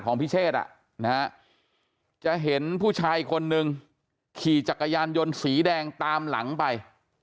พิเชษจะเห็นผู้ชายคนนึงขี่จักรยานยนต์สีแดงตามหลังไป